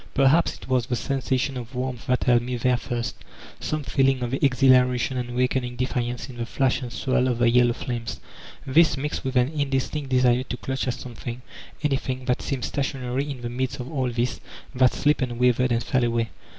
Per haps it was the sensation of warmth that held me there first, some feeling of exhilaration and wakening defiance in the flash and swirl of the yellow flames — this, mixed with an indistinct desire to clutch at some thing, anything, that seemed stationary in the midst of all this that slipped and wavered and fell away